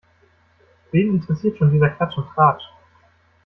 Wen interessiert schon dieser Klatsch und Tratsch?